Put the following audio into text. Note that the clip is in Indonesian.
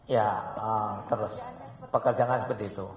ya terus pekerjaan seperti itu